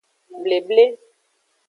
Bleble.